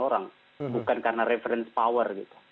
orang bukan karena reference power gitu